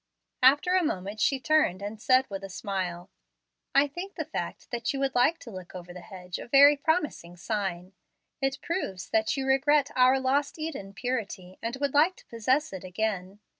After a moment she turned and said, with a smile, "I think the fact that you would like to look over the hedge a very promising sign. It proves that you regret our lost Eden purity, and would like to possess it again.